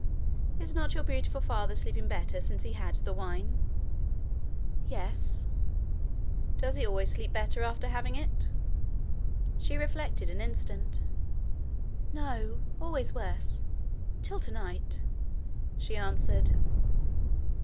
Is not your beautiful father sleeping better since he had the wine?' 'Yes.' 'Does he always sleep better after having it?' She reflected an instant. 'No; always worse till tonight,' she answered.